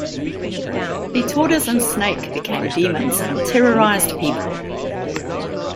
The tortoise and snake became demons and terrorized people.